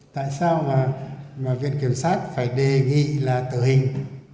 tại sao mà viện kiểm sát phải đề nghị là tử hình